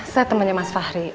saya temannya mas fahri